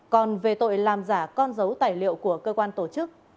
còn về tội làm giả con dấu tài liệu của cơ quan tổ chức